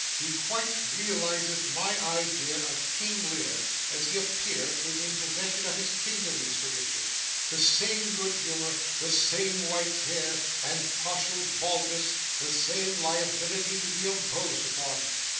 He quite realises my idea of King Lear, as he appeared when in possession of his kingdom, Mr Richard the same good humour, the same white hair and partial baldness, the same liability to be imposed upon.